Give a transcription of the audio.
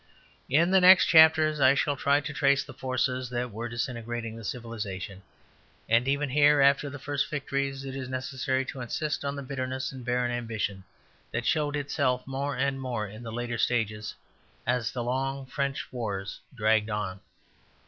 In the next chapter I shall try to trace the forces that were disintegrating the civilization; and even here, after the first victories, it is necessary to insist on the bitterness and barren ambition that showed itself more and more in the later stages, as the long French wars dragged on.